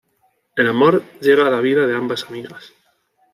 El amor llega a las vidas de ambas amigas.